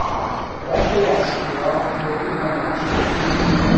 Befolyásolja a klorid anyagcseréjét.